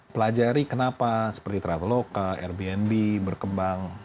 pelajari kenapa seperti traveloka airbnb berkembang